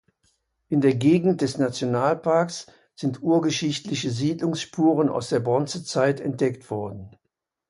In der Gegend des Nationalparks sind urgeschichtliche Siedlungsspuren aus der Bronzezeit entdeckt worden.